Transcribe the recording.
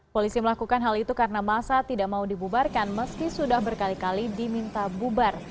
polisi melakukan hal itu karena masa tidak mau dibubarkan meski sudah berkali kali diminta bubar